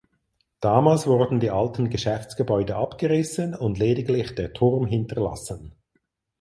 Damals wurden die alten Geschäftsgebäude abgerissen und lediglich der Turm hinterlassen.